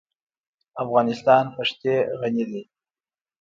افغانستان په ښتې غني دی.